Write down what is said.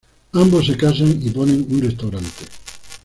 Ambos se casan y ponen un restaurante.